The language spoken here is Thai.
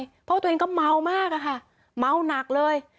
เพราะตัวเองก็เมามากอะค่ะเมาหนักเลย